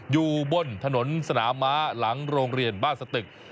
อยู่บนถนนสนามม้าหลังโรงเรียนบ้านสตึก